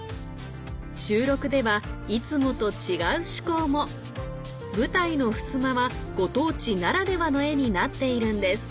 収録ではいつもと違う趣向も舞台のふすまはご当地ならではの絵になっているんです